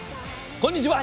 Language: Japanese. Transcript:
こんにちは。